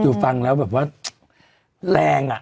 คือฟังแล้วแบบว่าแรงอ่ะ